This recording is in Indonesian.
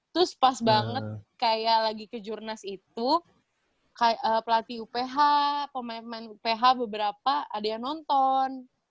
terus pas banget kayak lagi ke jurnas itu pelatih uph pemain pemain uph beberapa ada yang nonton